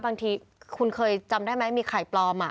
บางทีคุณเคยจำได้ไหมมีไข่ปลอม